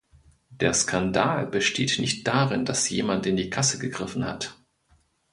Der Skandal besteht nicht darin, dass jemand in die Kasse gegriffen hat.